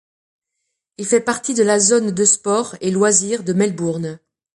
Il fait partie de la zone de sports et loisirs de Melbourne.